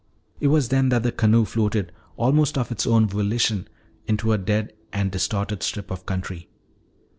It was then that the canoe floated almost of its own volition into a dead and distorted strip of country.